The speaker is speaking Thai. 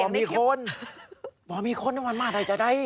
บอกมีคนบอกมีคนวันมาใดจะได้